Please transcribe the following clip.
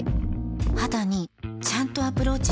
肌にちゃんとアプローチしてる感覚